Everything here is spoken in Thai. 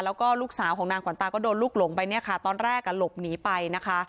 แล้วก็ลูกสาวของนางขวัญตาก็โดนลูกหลงไปเนี่ยค่ะตอนแรกอ่ะหลบหนีไปนะคะ